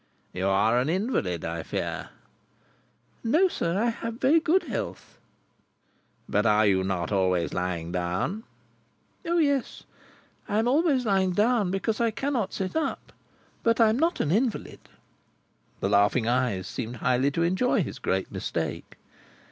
"You are an invalid, I fear?" "No, sir. I have very good health." "But are you not always lying down?" "O yes, I am always lying down, because I cannot sit up. But I am not an invalid." The laughing eyes seemed highly to enjoy his great mistake.